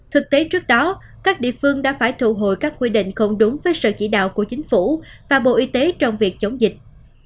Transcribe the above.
thực tế trước đó các địa phương đã phải thu hồi các quy định không đúng với sự chỉ đạo của chính phủ và bộ y tế trong việc chống dịch